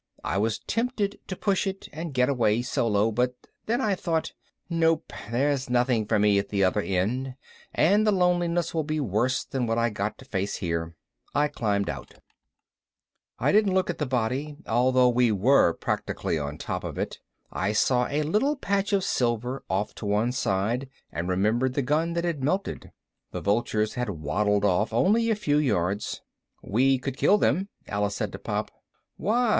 I was tempted to push it and get away solo, but then I thought, nope, there's nothing for me at the other end and the loneliness will be worse than what I got to face here. I climbed out. I didn't look at the body, although we were practically on top of it. I saw a little patch of silver off to one side and remembered the gun that had melted. The vultures had waddled off but only a few yards. "We could kill them," Alice said to Pop. "Why?"